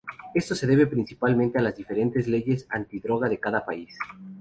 Esto se debe principalmente a las diferentes leyes antidroga de cada país.